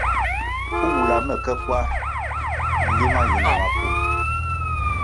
Wula me ke kwar nlima yi na mapun.